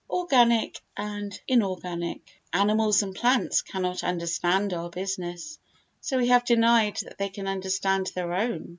Organic and Inorganic Animals and plants cannot understand our business, so we have denied that they can understand their own.